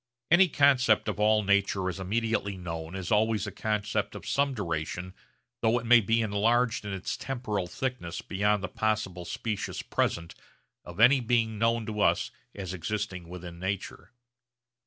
Any concept of all nature as immediately known is always a concept of some duration though it may be enlarged in its temporal thickness beyond the possible specious present of any being known to us as existing within nature.